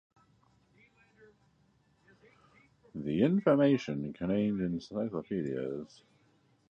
The information contained in encyclopedias and textbooks are good examples of explicit knowledge.